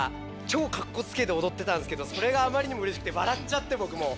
超かっこつけておどってたんですけどそれがあまりにもうれしくてわらっちゃってぼく。